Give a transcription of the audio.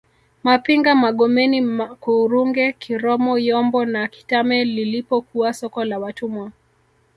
Mapinga Magomeni Makurunge Kiromo Yombo na Kitame lilipokuwa soko la watumwa